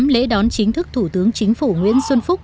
lễ đón chính thức thủ tướng chính phủ nguyễn xuân phúc